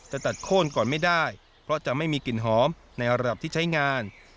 ตัดโค้นก่อนไม่ได้เพราะจะไม่มีกลิ่นหอมในระดับที่ใช้งาน